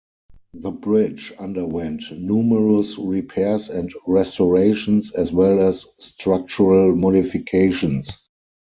The bridge underwent numerous repairs and restorations, as well as structural modifications.